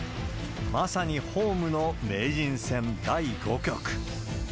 まさにホームの名人戦第５局。